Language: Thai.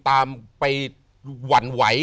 ตามไปหวั่นไหว